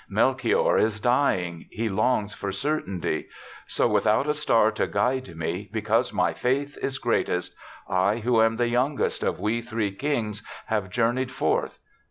Melchior is dying; he longs for certainty. So without a star to guide me, because my faith is greatest, I, who am the youngest of we three kings, have journeyed forth.